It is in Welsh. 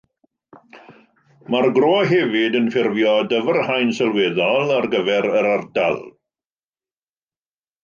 Mae'r gro hefyd yn ffurfio dyfrhaen sylweddol ar gyfer yr ardal.